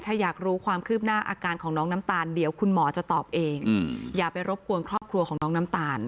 ถ้าอยากรู้ความคืบหน้าอาการของน้องน้ำตาลเดี๋ยวคุณหมอจะตอบเองอย่าไปรบกวนครอบครัวของน้องน้ำตาล